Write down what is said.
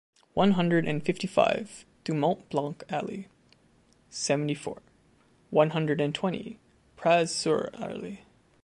One hundred and fifty-five du Mont-Blanc Alley, seventy-four, one hundred and twenty, Praz-sur-Arly